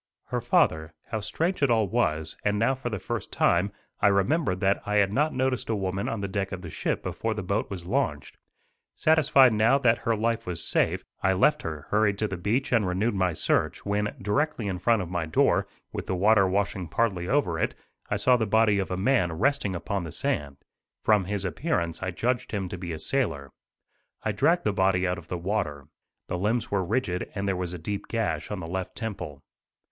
Her father. How strange it all was, and now for the first time, I remembered that I had not noticed a woman on the deck of the ship before the boat was launched. Satisfied now that her life was safe, I left her, hurried to the beach and renewed my search, when, directly in front of my door, with the water washing partly over it, I saw the body of a man resting upon the sand. From his appearance I judged him to be a sailor. I dragged the body out of the water. The limbs were rigid and there was a deep gash on the left temple.